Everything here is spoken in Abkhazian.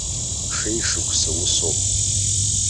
Шеи-шықәса усоуп.